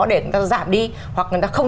để người ta giảm đi hoặc người ta không